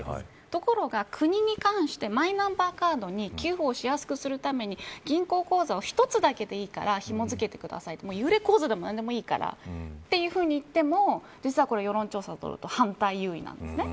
ところが国に関してマイナンバーカードに給付しやすくするために銀行口座を一つだけでいいからひも付けてくださいっていっても、これは世論調査を取ると反対が優位なんです。